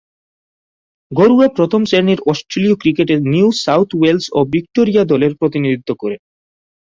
ঘরোয়া প্রথম-শ্রেণীর অস্ট্রেলীয় ক্রিকেটে নিউ সাউথ ওয়েলস ও ভিক্টোরিয়া দলের প্রতিনিধিত্ব করেন।